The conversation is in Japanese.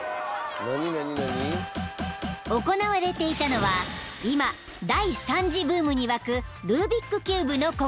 ［行われていたのは今第３次ブームに沸くルービックキューブの国際大会］